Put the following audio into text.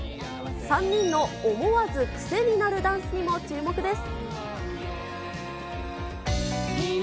３人の思わず癖になるダンスにも注目です。